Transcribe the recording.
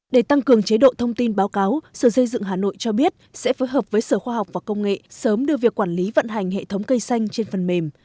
để tăng cường chế độ thông tin báo cáo sở xây dựng hà nội cho biết sẽ phối hợp với sở khoa học và công nghệ sớm đưa việc quản lý vận hành hệ thống cây xanh trên phần mềm